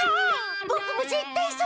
ボクもぜったいそう思う！